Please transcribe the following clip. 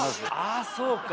あそうか。